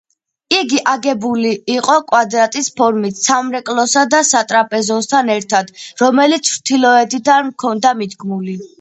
იგი აგებული იყო კვადრატის ფორმით, სამრეკლოსა და სატრაპეზოსთან ერთად, რომელიც ჩრდილოეთიდან ჰქონდა მიდგმული.